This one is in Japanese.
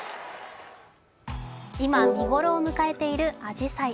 今、見頃を迎えているあじさい。